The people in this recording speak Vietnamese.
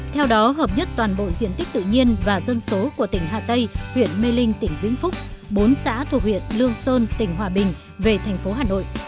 theo đó hợp nhất toàn bộ diện tích tự nhiên và dân số của tỉnh hà tây huyện mê linh tỉnh vĩnh phúc bốn xã thuộc huyện lương sơn tỉnh hòa bình về thành phố hà nội